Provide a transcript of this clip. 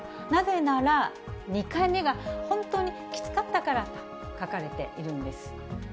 なぜなら、２回目が本当にキツかったからと、書かれているんです。